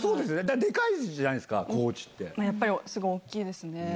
でかいじゃないですか、コーチっやっぱりすごい大きいですね。